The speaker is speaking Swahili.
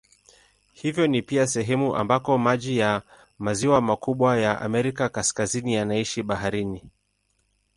Hivyo ni pia sehemu ambako maji ya maziwa makubwa ya Amerika Kaskazini yanaishia baharini.